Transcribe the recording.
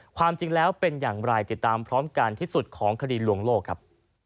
ความจริงแล้วเป็นอย่างไรติดตามพร้อมกันที่สุดของคดีลวงโลกครับ